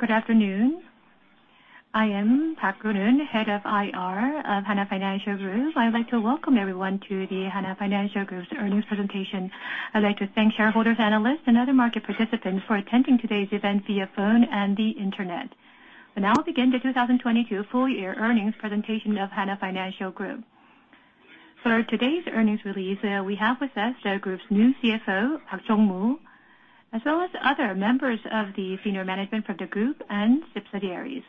Good afternoon. I am Park Guen-hoon, Head of IR of Hana Financial Group. I'd like to welcome everyone to the Hana Financial Group's earnings presentation. I'd like to thank shareholders, analysts, and other market participants for attending today's event via phone and the internet. We'll now begin the 2022 Full Year Earnings Presentation of Hana Financial Group. For today's earnings release, we have with us the group's new CFO, Park Jong-Moo, as well as other members of the senior management from the group and subsidiaries.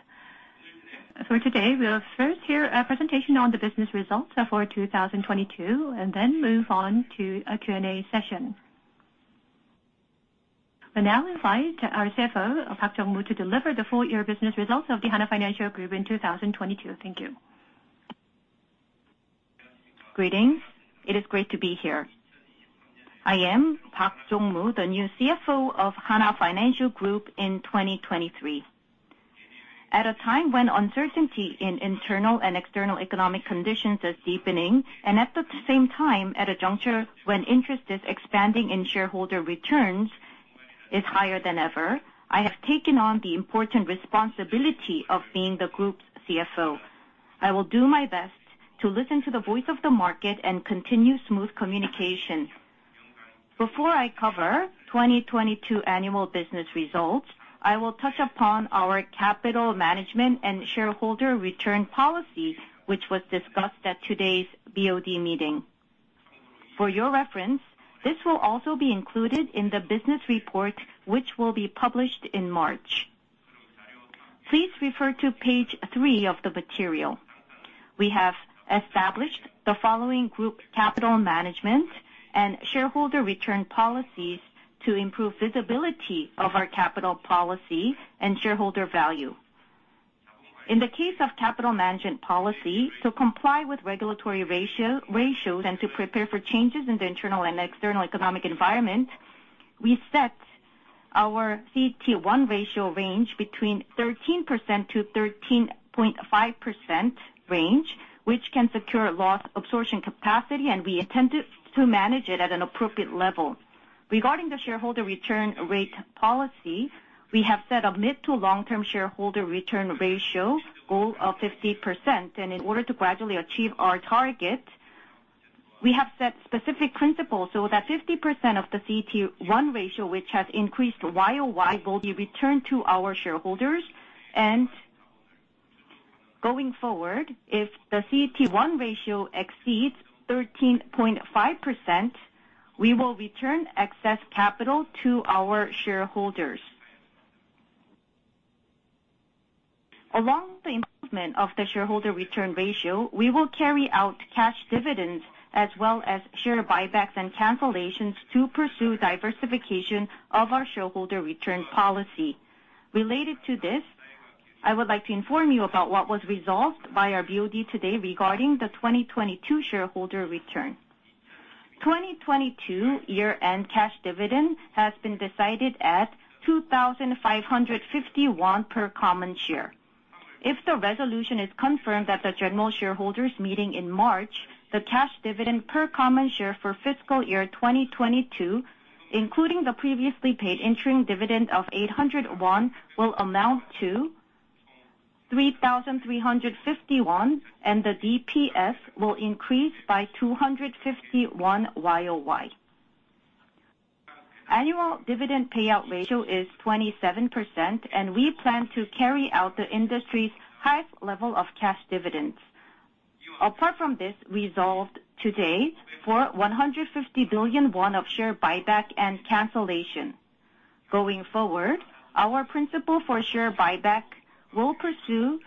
For today, we'll first hear a presentation on the business results for 2022, and then move on to a Q&A session. We now invite our CFO, Park Jong-Moo, to deliver the full year business results of the Hana Financial Group in 2022. Thank you. Greetings. It is great to be here. I am Park Jong-Moo, the new CFO of Hana Financial Group in 2023. At a time when uncertainty in internal and external economic conditions is deepening, and at the same time, at a juncture when interest is expanding and shareholder returns is higher than ever, I have taken on the important responsibility of being the group's CFO. I will do my best to listen to the voice of the market and continue smooth communication. Before I cover 2022 annual business results, I will touch upon our capital management and shareholder return policy, which was discussed at today's BOD meeting. For your reference, this will also be included in the business report, which will be published in March. Please refer to page three of the material. We have established the following group capital management and shareholder return policies to improve visibility of our capital policy and shareholder value. In the case of capital management policy, to comply with regulatory ratio, ratios and to prepare for changes in the internal and external economic environment, we set our CET1 ratio range between 13%-13.5% range, which can secure loss absorption capacity, and we intend to manage it at an appropriate level. Regarding the shareholder return rate policy, we have set a mid to long-term shareholder return ratio goal of 50%, and in order to gradually achieve our target, we have set specific principles so that 50% of the CET1 ratio, which has increased YOY, will be returned to our shareholders. Going forward, if the CET1 ratio exceeds 13.5%, we will return excess capital to our shareholders. Along the improvement of the shareholder return ratio, we will carry out cash dividends as well as share buybacks and cancellations to pursue diversification of our shareholder return policy. Related to this, I would like to inform you about what was resolved by our BOD today regarding the 2022 shareholder return. 2022 year-end cash dividend has been decided at 2,550 won per common share. If the resolution is confirmed at the general shareholders meeting in March, the cash dividend per common share for fiscal year 2022, including the previously paid interim dividend of 800 won, will amount to 3,350, and the DPS will increase by 250 YOY. Annual dividend payout ratio is 27%. We plan to carry out the industry's highest level of cash dividends. Apart from this, we resolved today for 150 billion won of share buyback and cancellation. Going forward, our principle for share buyback will pursue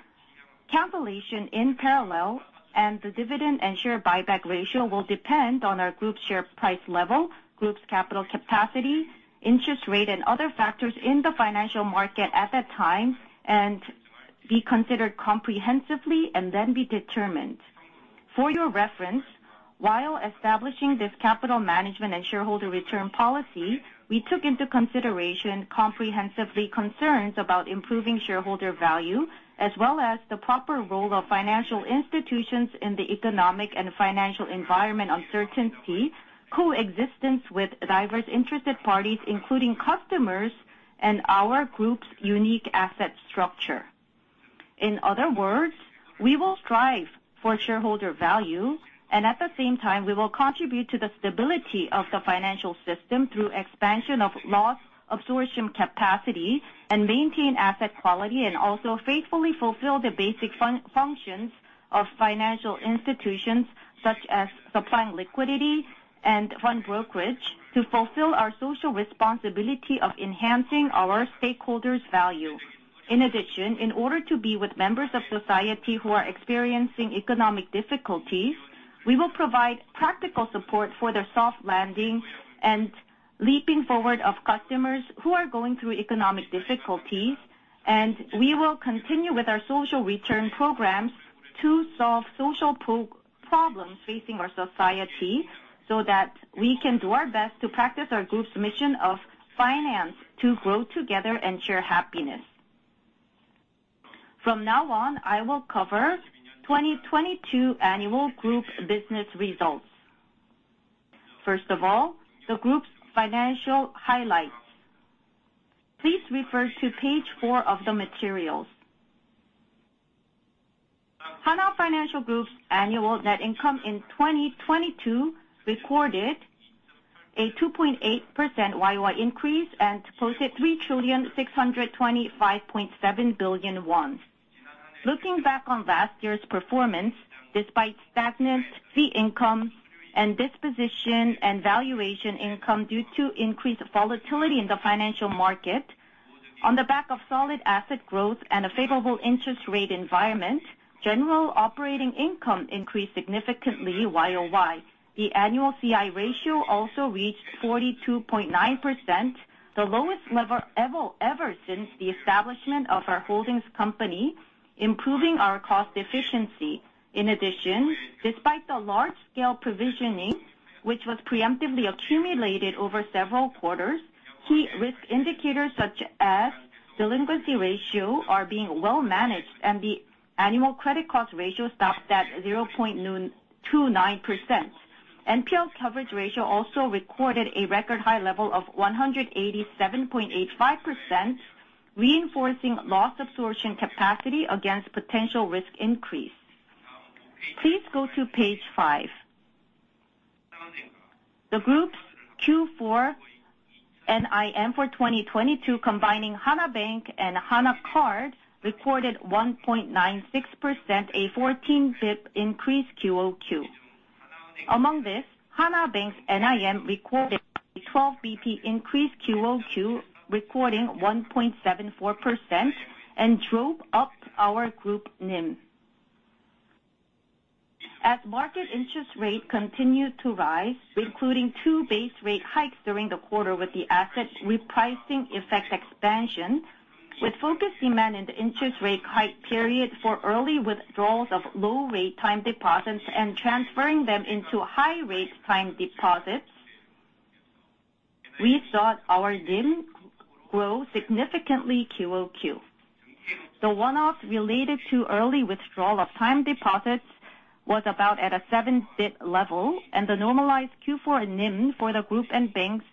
cancellation in parallel, and the dividend and share buyback ratio will depend on our Group's share price level, Group's capital capacity, interest rate, and other factors in the financial market at that time, and be considered comprehensively and then be determined. For your reference, while establishing this capital management and shareholder return policy, we took into consideration comprehensively concerns about improving shareholder value, as well as the proper role of financial institutions in the economic and financial environment uncertainty, coexistence with diverse interested parties, including customers, and our Group's unique asset structure. In other words, we will strive for shareholder value, and at the same time, we will contribute to the stability of the financial system through expansion of loss absorption capacity and maintain asset quality, and also faithfully fulfill the basic functions of financial institutions such as supplying liquidity and fund brokerage to fulfill our social responsibility of enhancing our stakeholders' value. In addition, in order to be with members of society who are experiencing economic difficulties, we will provide practical support for the soft landing and leaping forward of customers who are going through economic difficulties. We will continue with our social return programs to solve social problems facing our society so that we can do our best to practice our group's mission of finance to grow together and share happiness. From now on, I will cover 2022 annual group business results. First of all, the group's financial highlights. Please refer to page four of the materials. Hana Financial Group's annual net income in 2022 recorded a 2.8% YOY increase and posted 3,625.7 billion won. Looking back on last year's performance, despite stagnant fee income and disposition and valuation income due to increased volatility in the financial market, on the back of solid asset growth and a favorable interest rate environment, general operating income increased significantly YOY. The annual C/I ratio also reached 42.9%, the lowest ever since the establishment of our holdings company, improving our cost efficiency. In addition, despite the large-scale provisioning, which was preemptively accumulated over several quarters, key risk indicators such as delinquency ratio are being well-managed, and the annual credit cost ratio stopped at 0.29%. NPL coverage ratio also recorded a record high level of 187.85%, reinforcing loss absorption capacity against potential risk increase. Please go to page 5. The group's Q4 NIM for 2022, combining Hana Bank and Hana Card, recorded 1.96%, a 14 BP increased QoQ. Among this, Hana Bank's NIM recorded a 12 BP increase QoQ, recording 1.74%, and drove up our group NIM. As market interest rate continued to rise, including 2 base rate hikes during the quarter with the asset repricing effect expansion, with focused demand in the interest rate hike period for early withdrawals of low rate time deposits and transferring them into high rate time deposits, we saw our NIM grow significantly QoQ. The one-off related to early withdrawal of time deposits was about at a 7 bit level, and the normalized Q4 NIM for the group and banks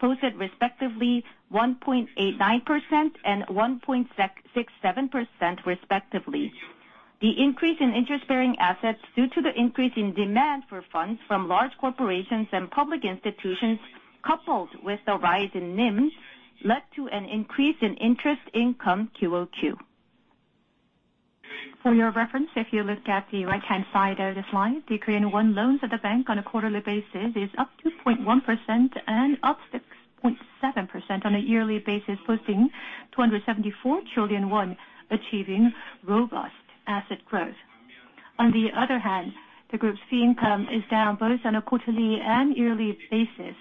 posted respectively 1.89% and 1.667% respectively. The increase in interest-bearing assets due to the increase in demand for funds from large corporations and public institutions, coupled with the rise in NIMs, led to an increase in interest income QoQ. For your reference, if you look at the right-hand side of the slide, the Korean Won loans at the bank on a quarterly basis is up 2.1% and up 6.7% on a yearly basis, posting 274 trillion won, achieving robust asset growth. On the other hand, the group's fee income is down both on a quarterly and yearly basis.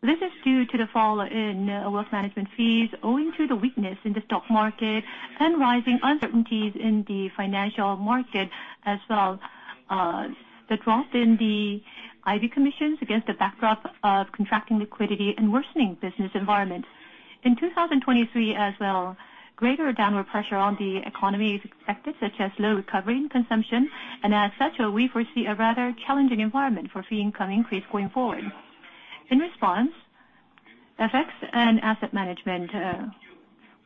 This is due to the fall in wealth management fees owing to the weakness in the stock market and rising uncertainties in the financial market as well. The drop in the IB commissions against the backdrop of contracting liquidity and worsening business environment. In 2023 as well, greater downward pressure on the economy is expected, such as low recovery and consumption, and as such, we foresee a rather challenging environment for fee income increase going forward. In response, FX and asset management,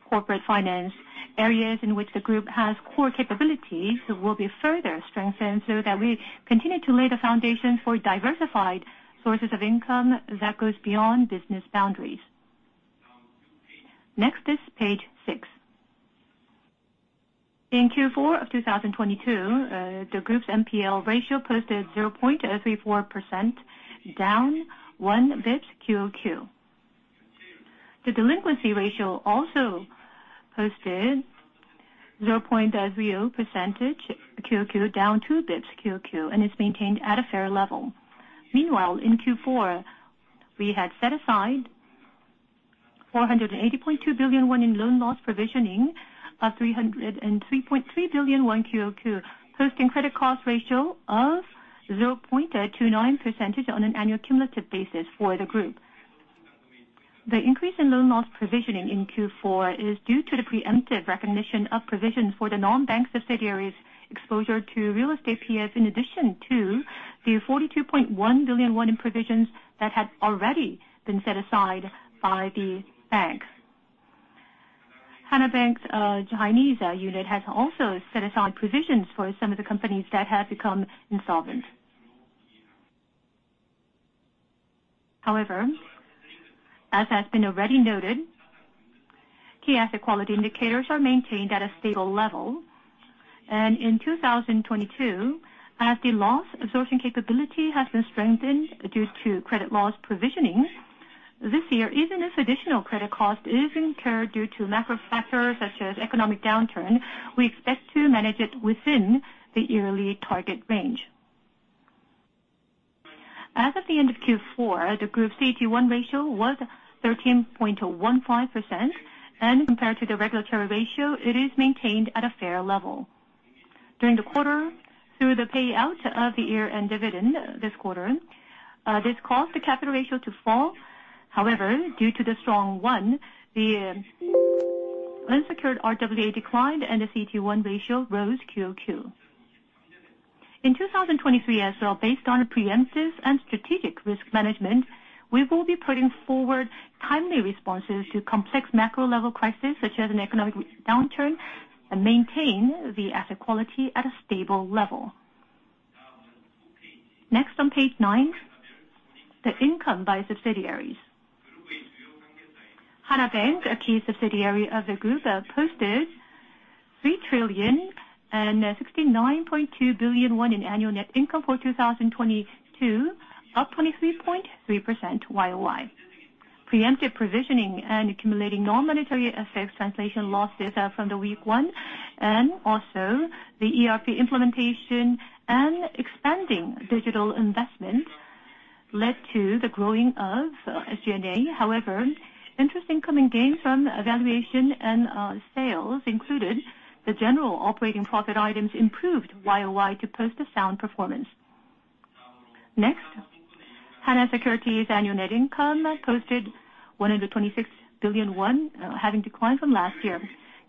corporate finance areas in which the group has core capabilities will be further strengthened so that we continue to lay the foundation for diversified sources of income that goes beyond business boundaries. Next is page six. In Q4 of 2022, the group's NPL ratio posted 0.034%, down 1 bit QoQ. The delinquency ratio also hosted 0.00% QoQ, down two bits QoQ, and is maintained at a fair level. Meanwhile, in Q4, we had set aside 480.2 billion won in loan loss provisioning of 303.3 billion won QoQ, posting credit cost ratio of 0.29% on an annual cumulative basis for the group. The increase in loan loss provisioning in Q4 is due to the preemptive recognition of provision for the non-bank subsidiaries exposure to real estate PF, in addition to the 42.1 billion won in provisions that had already been set aside by Hana Bank. Hana Bank's Chinese unit has also set aside provisions for some of the companies that have become insolvent. As has been already noted, key asset quality indicators are maintained at a stable level. In 2022, as the loss absorption capacity has been strengthened due to credit loss provisionings, this year, even if additional credit cost is incurred due to macro factors such as economic downturn, we expect to manage it within the yearly target range. As of the end of Q4, the group CET1 ratio was 13.15%, and compared to the regulatory ratio, it is maintained at a fair level. During the quarter, through the payout of the year-end dividend this quarter, this caused the capital ratio to fall. However, due to the strong KRW, the Unsecured RWA declined and the CET1 ratio rose QoQ. In 2023 as well, based on a preemptive and strategic risk management, we will be putting forward timely responses to complex macro level crisis such as an economic downturn and maintain the asset quality at a stable level. Next on page nine, the income by subsidiaries. Hana Bank, a key subsidiary of the group, posted 3 trillion 69.2 billion in annual net income for 2022, up 23.3% YOY. Preemptive provisioning and accumulating non-monetary effects translation losses from the weak won, and also the ERP implementation and expanding digital investment led to the growing of SG&A. However, interest income and gains from valuation and sales included the general operating profit items improved YOY to post a sound performance. Next, Hana Securities's annual net income posted 126 billion won, having declined from last year.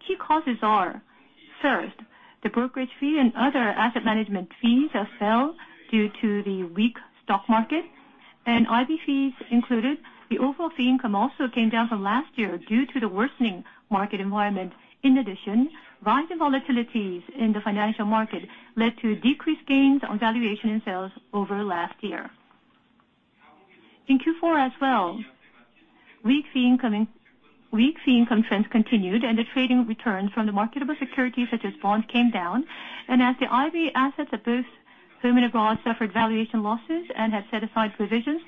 Key causes are: first, the brokerage fee and other asset management fees fell due to the weak stock market. IB fees included the overall fee income also came down from last year due to the worsening market environment. In addition, rising volatilities in the financial market led to decreased gains on valuation and sales over last year. In Q4 as well, weak fee income trends continued, and the trading returns from the marketable securities such as bonds came down. As the IB assets of both permanent loss suffered valuation losses and had set aside provisions,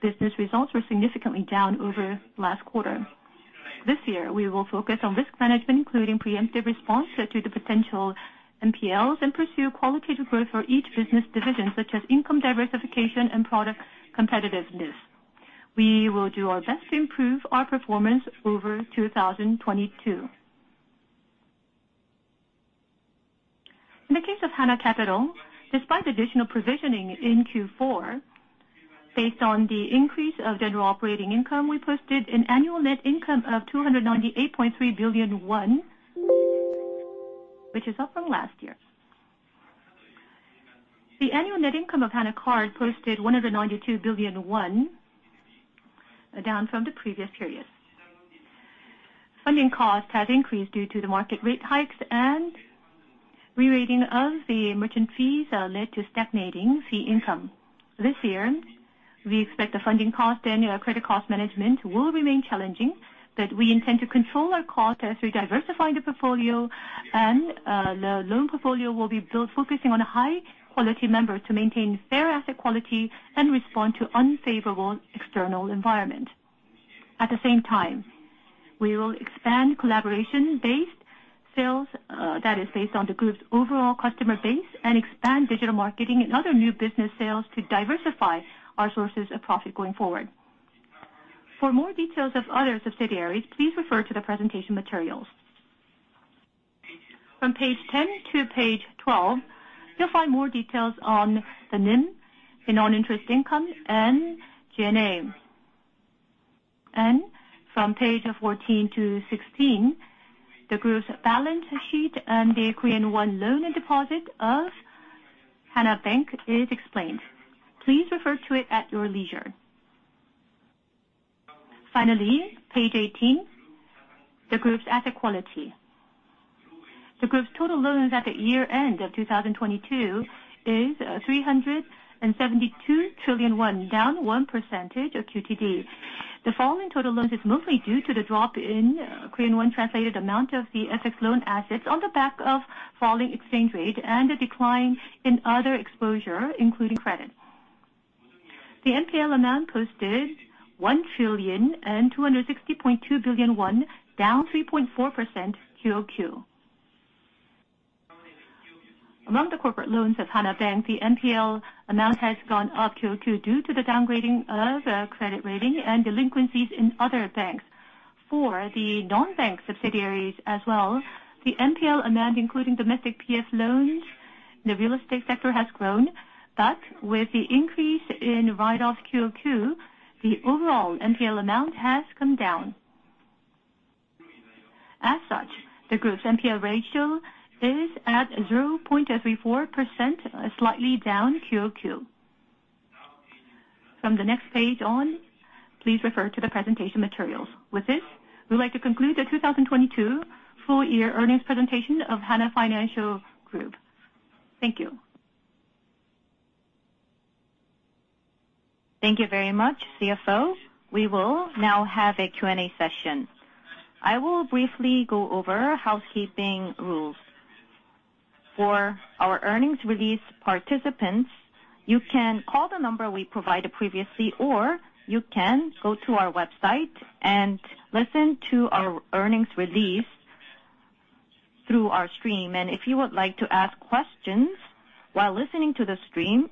business results were significantly down over last quarter. This year we will focus on risk management, including preemptive response to the potential NPLs and pursue qualitative growth for each business division, such as income diversification and product competitiveness. We will do our best to improve our performance over 2022. In the case of Hana Capital, despite additional provisioning in Q4, based on the increase of general operating income, we posted an annual net income of 298.3 billion won, which is up from last year. The annual net income of Hana Card posted 192 billion won, down from the previous period. Funding costs have increased due to the market rate hikes and rerating of the merchant fees, led to stagnating fee income. This year we expect the funding cost and credit cost management will remain challenging, but we intend to control our cost as we diversify the portfolio and the loan portfolio will be built focusing on a high quality member to maintain fair asset quality and respond to unfavorable external environment. At the same time, we will expand collaboration-based sales, that is based on the group's overall customer base and expand digital marketing and other new business sales to diversify our sources of profit going forward. For more details of other subsidiaries, please refer to the presentation materials. From page 10 to page 12, you'll find more details on the NIM, the non-interest income, and G&A. From page 14 to 16, the group's balance sheet and the Korean Won loan and deposit of Hana Bank is explained. Please refer to it at your leisure. Finally, page 18, the group's asset quality. The group's total loans at the year-end of 2022 is 372 trillion won, down 1% of QTD. The fall in total loans is mostly due to the drop in Korean Won translated amount of the FX loan assets on the back of falling exchange rate and a decline in other exposure, including credit. The NPL amount posted 1,260.2 billion won, down 3.4% QoQ. Among the corporate loans of Hana Bank, the NPL amount has gone up QoQ due to the downgrading of credit rating and delinquencies in other banks. For the non-bank subsidiaries as well, the NPL amount, including domestic PF loans in the real estate sector, has grown, but with the increase in write-offs QoQ, the overall NPL amount has come down. The group's NPL ratio is at 0.34%, slightly down QoQ. From the next page on, please refer to the presentation materials. With this, we'd like to conclude the 2022 full year earnings presentation of Hana Financial Group. Thank you. Thank you very much, CFO. We will now have a Q&A session. I will briefly go over housekeeping rules. For our earnings release participants, you can call the number we provided previously, or you can go to our website and listen to our earnings release through our stream. If you would like to ask questions while listening to the stream,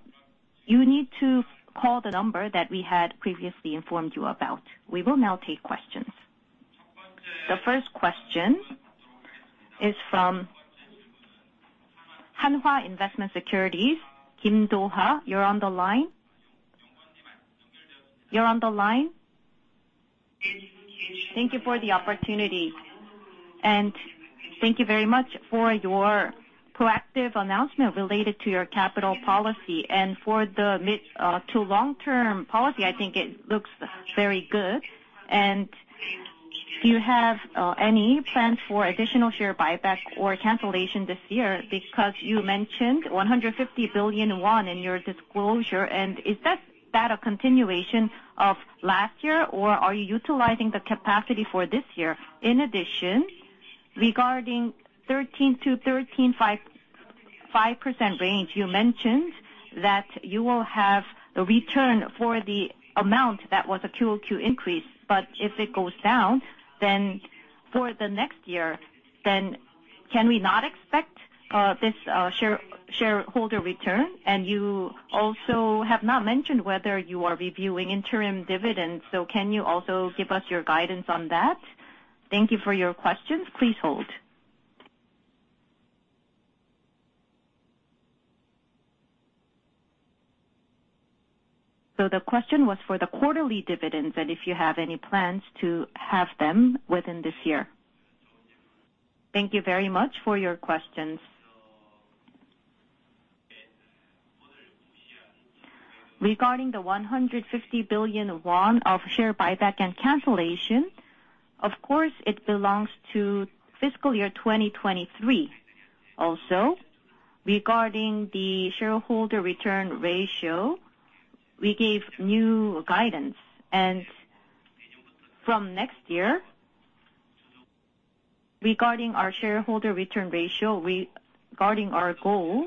you need to call the number that we had previously informed you about. We will now take questions. The first question is from Hanwha Investment & Securities, Kim Do-ha. You're on the line. You're on the line. Thank you for the opportunity, thank you very much for your proactive announcement related to your capital policy. For the mid- to long-term policy, I think it looks very good. Do you have any plans for additional share buyback or cancellation this year? Because you mentioned 150 billion won in your disclosure, is that a continuation of last year, or are you utilizing the capacity for this year? In addition, regarding 13%-13.5% range, you mentioned that you will have a return for the amount that was a QoQ increase. If it goes down, for the next year, can we not expect this shareholder return? You also have not mentioned whether you are reviewing interim dividends. Can you also give us your guidance on that? Thank you for your questions. Please hold. The question was for the quarterly dividends, and if you have any plans to have them within this year. Thank you very much for your questions. Regarding the 150 billion won of share buyback and cancellation, of course it belongs to fiscal year 2023. Also, regarding the shareholder return ratio, we gave new guidance. From next year, regarding our shareholder return ratio, regarding our goal,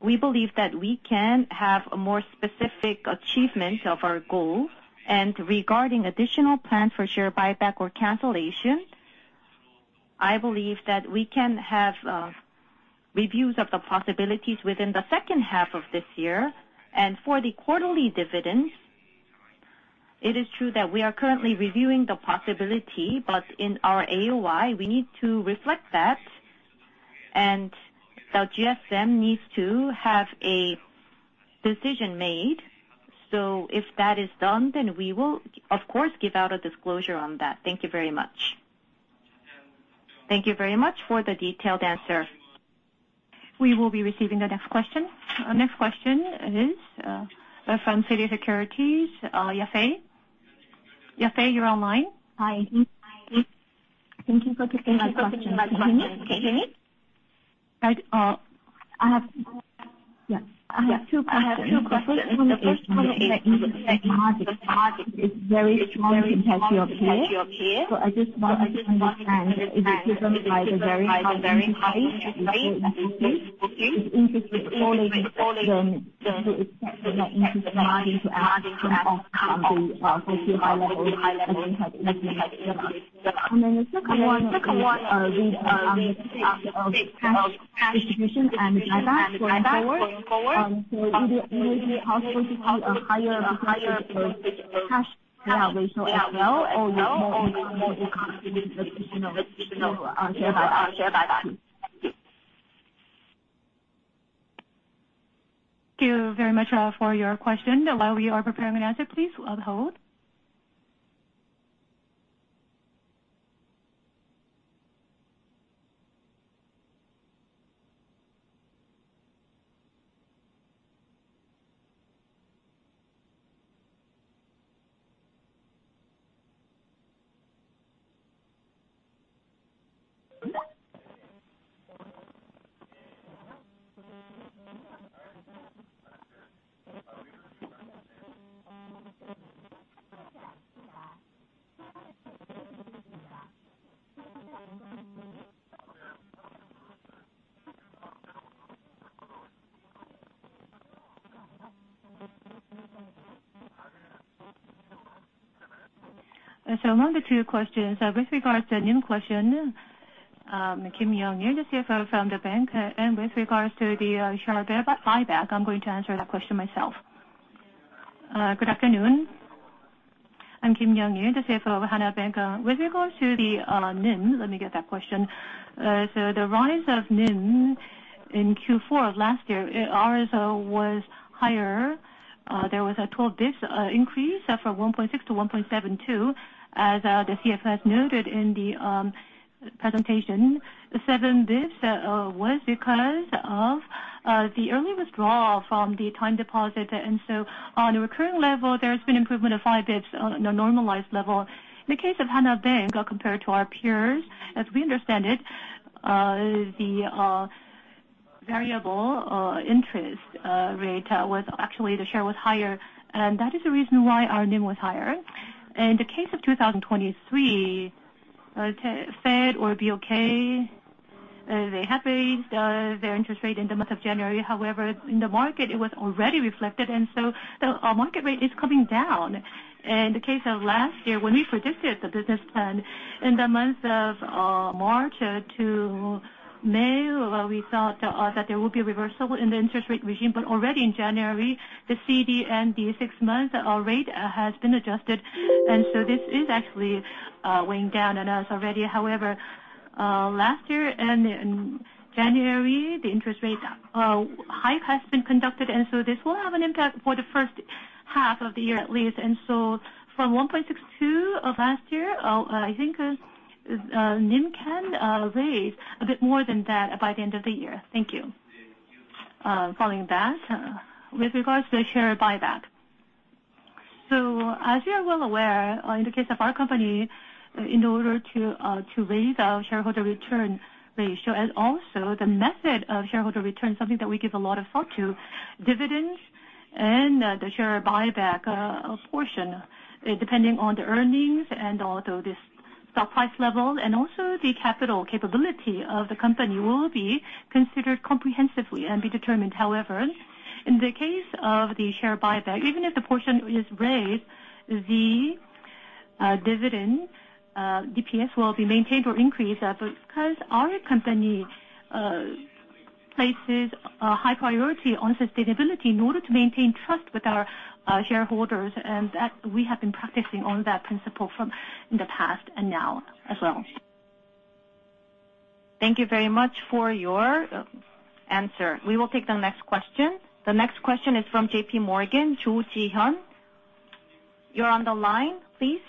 we believe that we can have a more specific achievement of our goal. Regarding additional plan for share buyback or cancellation, I believe that we can have reviews of the possibilities within the second half of this year. For the quarterly dividends, it is true that we are currently reviewing the possibility, but in our AOCI, we need to reflect that, and the GSM needs to have a decision made. If that is done, then we will of course give out a disclosure on that. Thank you very much. Thank you very much for the detailed answer. We will be receiving the next question. Our next question is from Citigroup Securities, [Yafei]. Yafei, you're on line. Hi. Thank you for taking my question. Can you hear me? Right. Yeah. I have two questions. The first one is NIM. The margin is very strong compared to your peer. I just want to understand, is it driven by the very high interest rate or booking? Is interest correlated to expected net interest margin to come off from the relatively high levels that you have witnessed till now? The second one is, with the pace of cash distribution and buyback going forward, will it be possible to see a higher percentage of cash payout ratio as well, or will it more be concentrated with additional share buyback? Thank you. Thank you very much for your question. While we are preparing an answer, please hold. Among the two questions, with regards to NIM question, Kim Youn Jun, the CFO from the bank. With regards to the share buyback, I'm going to answer that question myself. Good afternoon. I'm Kim Youn Jun, the CFO of Hana Bank. With regards to the NIM, let me get that question. The rise of NIM in Q4 of last year, RSO was higher. There was a 12 basis points increase from 1.6 to 1.72. As the CFO has noted in the presentation, seven basis points was because of the early withdrawal from the time deposit. On a recurring level, there's been improvement of five basis points on a normalized level. In the case of Hana Bank, compared to our peers, as we understand it, the variable interest rate was actually the share was higher, and that is the reason why our NIM was higher. In the case of 2023, Fed or BOK, they have raised their interest rate in the month of January. In the market it was already reflected. Our market rate is coming down. In the case of last year, when we predicted the business plan in the months of March to May, we thought that there will be reversal in the interest rate regime. Already in January, the CD and the 6-month rate has been adjusted. This is actually weighing down on us already. However, last year and in January, the interest rate hike has been conducted, this will have an impact for the first half of the year at least. From 1.62 of last year, I think NIM can raise a bit more than that by the end of the year. Thank you. Following that, with regards to the share buyback. As you are well aware, in the case of our company, in order to raise our shareholder return ratio and also the method of shareholder return, something that we give a lot of thought to, dividends and the share buyback portion, depending on the earnings and also the stock price level, and also the capital capability of the company will be considered comprehensively and be determined. In the case of the share buyback, even if the portion is raised, the dividend DPS will be maintained or increased. Our company places a high priority on sustainability in order to maintain trust with our shareholders, and that we have been practicing on that principle from the past and now as well. Thank you very much for your answer. We will take the next question. The next question is from JPMorgan, [Jo Jiheon]. You're on the line, please.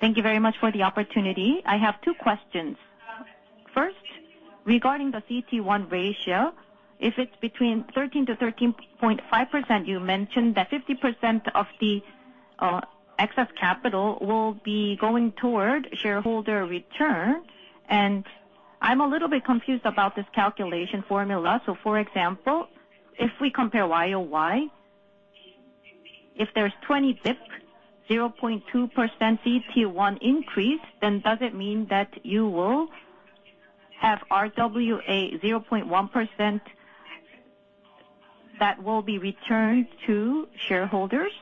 Thank you very much for the opportunity. I have two questions. First, regarding the CET1 ratio, if it's between 13%-13.5%, you mentioned that 50% of the excess capital will be going toward shareholder return. I'm a little bit confused about this calculation formula. For example, if we compare YOY, if there's 20 basis points, 0.2% CET1 increase, does it mean that you will have RWA 0.1% that will be returned to shareholders?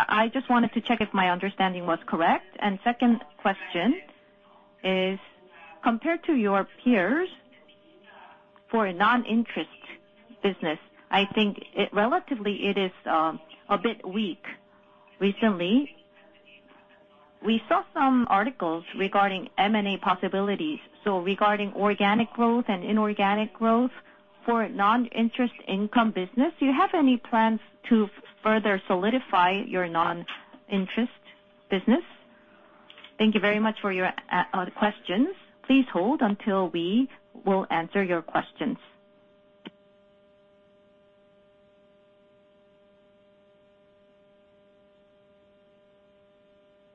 I just wanted to check if my understanding was correct. Second question is, compared to your peers, for a non-interest business, I think relatively it is a bit weak recently. We saw some articles regarding M&A possibilities, regarding organic growth and inorganic growth for non-interest income business. Do you have any plans to further solidify your non-interest business? Thank you very much for your questions. Please hold until we will answer your questions.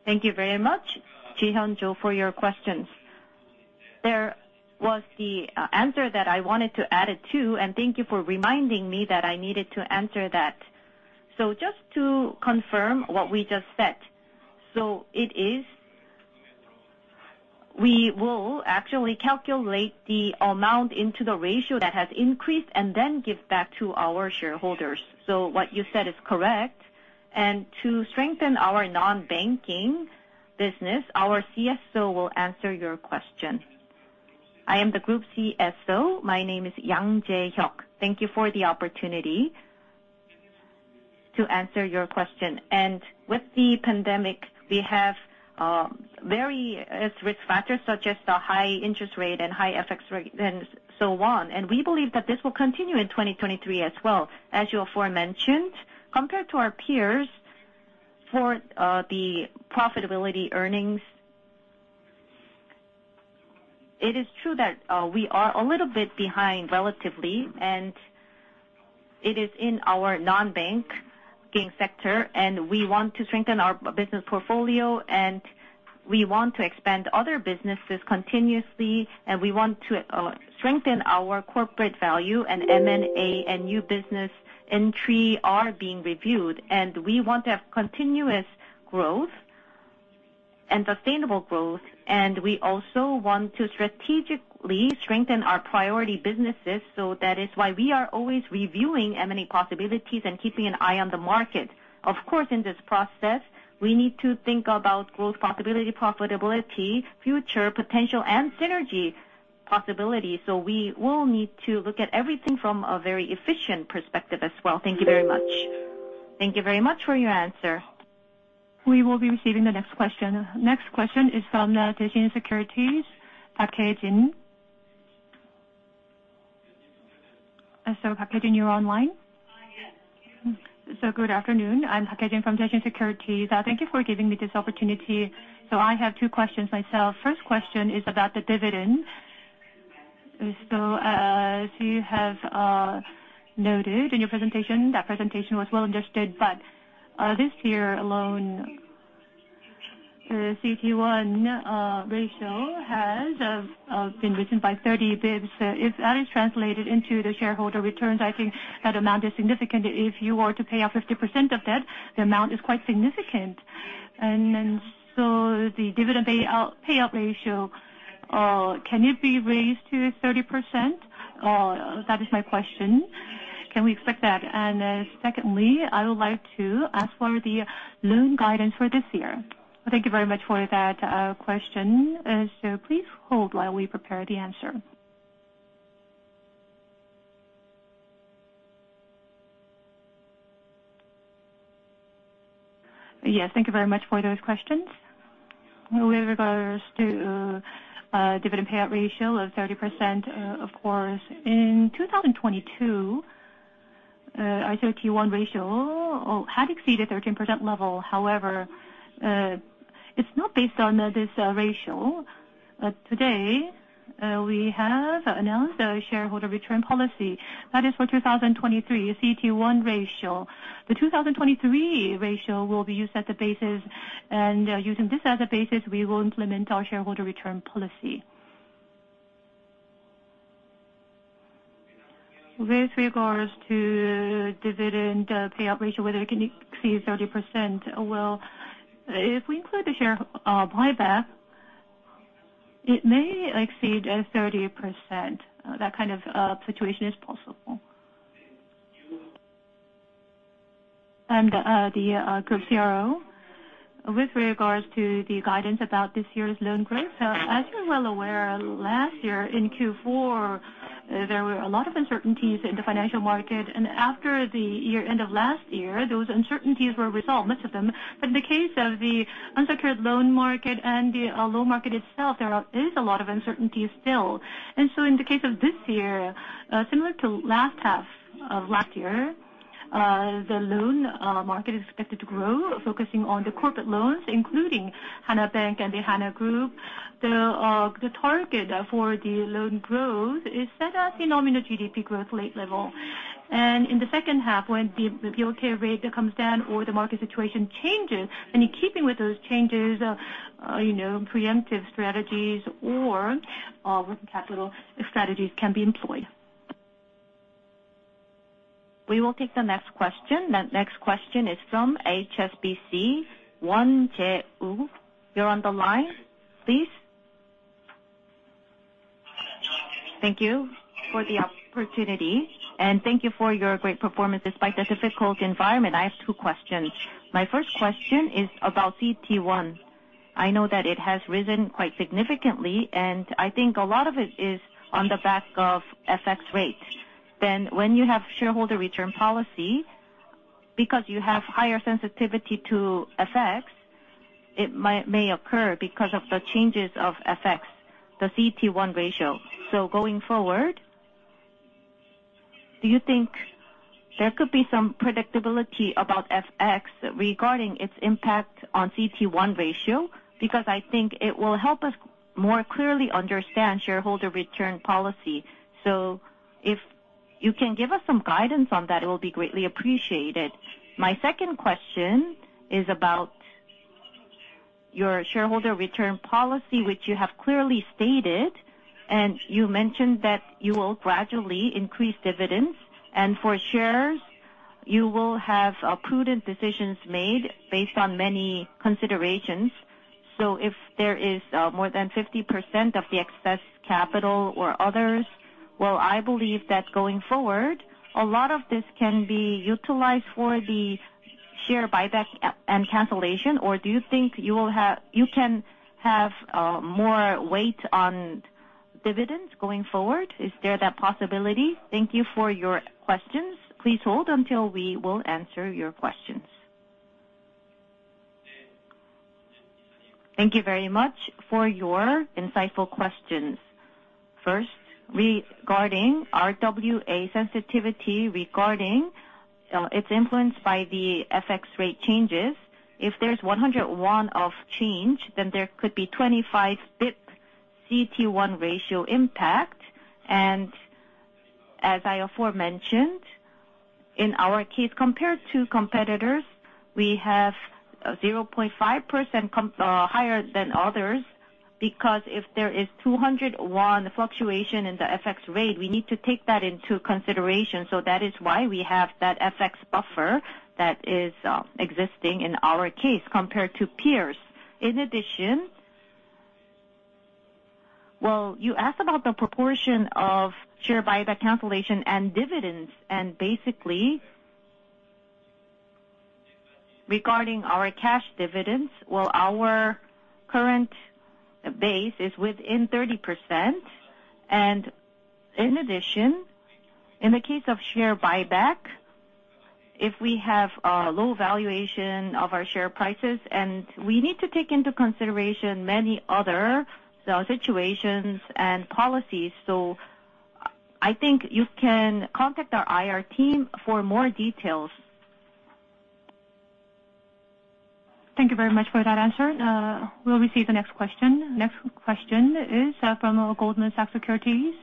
Thank you very much, [Jiheon Jo], for your questions. There was the answer that I wanted to add it to. Thank you for reminding me that I needed to answer that. Just to confirm what we just said, we will actually calculate the amount into the ratio that has increased and then give back to our shareholders. What you said is correct. To strengthen our non-banking business, our CSO will answer your question. I am the group CSO. My name is Yang Jae-Hyuk. Thank you for the opportunity to answer your question. With the pandemic, we have various risk factors such as the high interest rate and high FX rate and so on. We believe that this will continue in 2023 as well. As you aforementioned, compared to our peers for the profitability earnings, it is true that we are a little bit behind relatively, and it is in our non-banking sector, and we want to strengthen our business portfolio, and we want to expand other businesses continuously, and we want to strengthen our corporate value and M&A and new business entry are being reviewed. We want to have continuous growth and sustainable growth, and we also want to strategically strengthen our priority businesses. That is why we are always reviewing M&A possibilities and keeping an eye on the market. Of course, in this process, we need to think about growth possibility, profitability, future potential and synergy possibility. We will need to look at everything from a very efficient perspective as well. Thank you very much. Thank you very much for your answer. We will be receiving the next question. Next question is from Daishin Securities, Park Hye-jin. Hye-jin, you're online? Yes. Good afternoon. I'm Hye-jin from Daishin Securities. Thank you for giving me this opportunity. I have two questions myself. First question is about the dividend. As you have noted in your presentation, that presentation was well understood, but this year alone, the CET1 ratio has been risen by 30 basis points. If that is translated into the shareholder returns, I think that amount is significant. If you were to pay out 50% of that, the amount is quite significant. The dividend payout ratio, can it be raised to 30%? That is my question. Can we expect that? Secondly, I would like to ask for the loan guidance for this year. Thank you very much for that question. Please hold while we prepare the answer. Thank you very much for those questions. Regarding dividend payout ratio of 30%, of course, in 2022, our CET1 ratio had exceeded 13% level. It's not based on this ratio. Today, we have announced a shareholder return policy. That is for 2023, CET1 ratio. The 2023 ratio will be used as the basis, and using this as a basis, we will implement our shareholder return policy. Regarding dividend payout ratio, whether it can exceed 30%, well, if we include the share buyback, it may exceed 30%. That kind of situation is possible. The Group CRO. With regards to the guidance about this year's loan growth, as you're well aware, last year in Q4, there were a lot of uncertainties in the financial market, and after the end of last year, those uncertainties were resolved, most of them. In the case of the unsecured loan market and the loan market itself, there is a lot of uncertainty still. In the case of this year, similar to last half of last year, the loan market is expected to grow, focusing on the corporate loans, including Hana Bank and the Hana Group. The target for the loan growth is set at the nominal GDP growth rate level. In the second half, when the retail rate comes down or the market situation changes, and in keeping with those changes, you know, preemptive strategies or working capital strategies can be employed. We will take the next question. The next question is from HSBC, Won Jae Woong. You're on the line, please. Thank you for the opportunity, and thank you for your great performance despite the difficult environment. I have two questions. My first question is about CET1. I know that it has risen quite significantly, and I think a lot of it is on the back of FX rates. When you have shareholder return policy, because you have higher sensitivity to FX, it may occur because of the changes of FX, the CET1 ratio. Going forward, do you think there could be some predictability about FX regarding its impact on CET1 ratio? Because I think it will help us more clearly understand shareholder return policy. If you can give us some guidance on that, it will be greatly appreciated. My second question is about your shareholder return policy, which you have clearly stated, and you mentioned that you will gradually increase dividends. For shares, you will have prudent decisions made based on many considerations. If there is more than 50% of the excess capital or others, well, I believe that going forward, a lot of this can be utilized for the share buyback and cancellation. Do you think you will have, you can have more weight on dividends going forward? Is there that possibility? Thank you for your questions. Please hold until we will answer your questions. Thank you very much for your insightful questions. First, regarding RWA sensitivity, regarding its influence by the FX rate changes, if there's 100 won of change, then there could be 25 basis point CET1 ratio impact. As I aforementioned, in our case, compared to competitors, we have 0.5% higher than others, because if there is 200 fluctuation in the FX rate, we need to take that into consideration. That is why we have that FX buffer that is existing in our case compared to peers. In addition. Well, you asked about the proportion of share buyback cancellation and dividends, and basically, regarding our cash dividends, well, our current base is within 30%. In addition, in the case of share buyback, if we have a low valuation of our share prices, we need to take into consideration many other situations and policies. I think you can contact our IR team for more details. Thank you very much for that answer. We'll receive the next question. Next question is from Goldman Sachs Securities,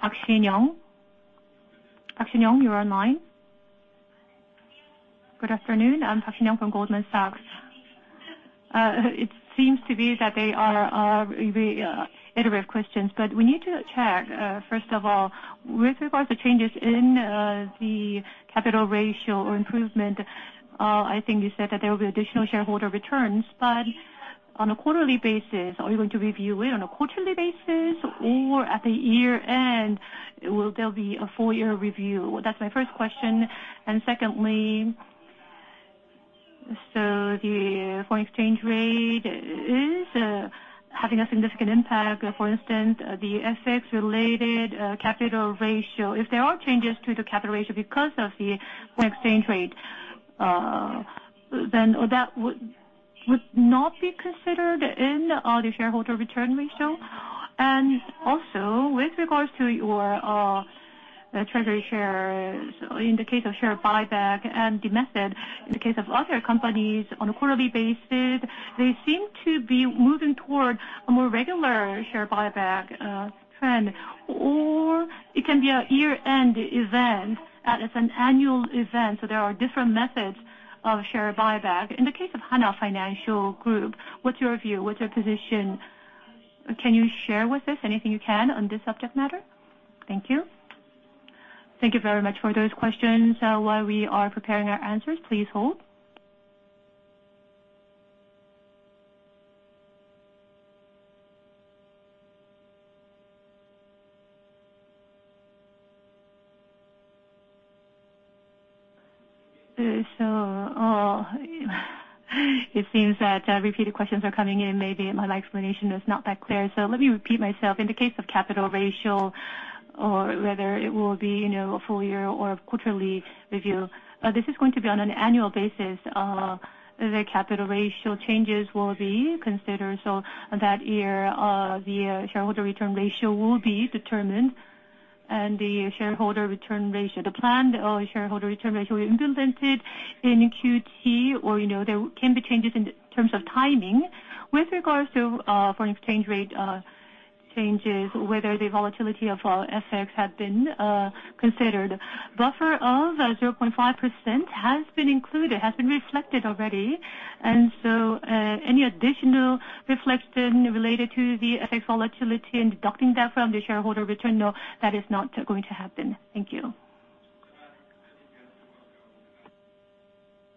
Park Shin Yeong. Park Shin Yeong, you are on line. Good afternoon. I'm Park Shin Yeong from Goldman Sachs. It seems to be that they are iterative questions. We need to check, first of all, with regards to changes in the capital ratio or improvement, I think you said that there will be additional shareholder returns. On a quarterly basis, are you going to review it on a quarterly basis or at the year-end will there be a full-year review? That's my first question. Secondly, the foreign exchange rate is having a significant impact. For instance, the FX related capital ratio. If there are changes to the capital ratio because of the foreign exchange rate, then that would not be considered in the shareholder return ratio. Also with regards to your treasury shares, in the case of share buyback and the method, in the case of other companies on a quarterly basis, they seem to be moving toward a more regular share buyback trend. It can be a year-end event that is an annual event, so there are different methods of share buyback. In the case of Hana Financial Group, what's your view, what's your position? Can you share with us anything you can on this subject matter? Thank you. Thank you very much for those questions. While we are preparing our answers, please hold. It seems that repeated questions are coming in. Maybe my explanation was not that clear, so let me repeat myself. In the case of capital ratio or whether it will be, you know, a full year or quarterly review, this is going to be on an annual basis. The capital ratio changes will be considered. That year, the shareholder return ratio will be determined. The shareholder return ratio, the planned shareholder return ratio implemented in QT or, you know, there can be changes in terms of timing. With regards to foreign exchange rate changes, whether the volatility of our FX have been considered, buffer of 0.5% has been included, has been reflected already. Any additional reflection related to the FX volatility and deducting that from the shareholder return, no, that is not going to happen. Thank you.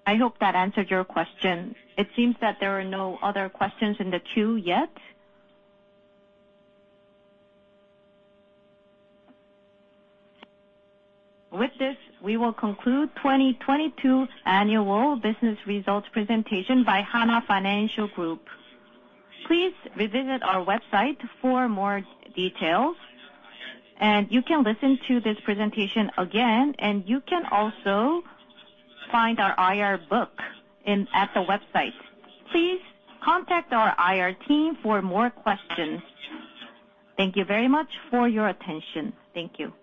I hope that answered your question. It seems that there are no other questions in the queue yet. We will conclude 2022 annual business results presentation by Hana Financial Group. Please visit our website for more details. You can listen to this presentation again, and you can also find our IR book at the website. Please contact our IR team for more questions. Thank you very much for your attention. Thank you.